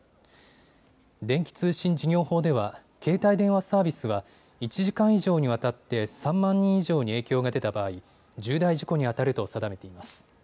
電気通信事業法では携帯電話サービスは１時間以上にわたって３万人以上に影響が出た場合、重大事故にあたると定めています。